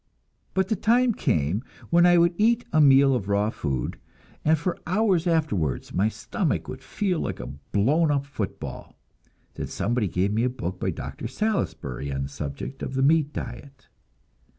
But the time came when I would eat a meal of raw food, and for hours afterwards my stomach would feel like a blown up football. Then somebody gave me a book by Dr. Salisbury on the subject of the meat diet.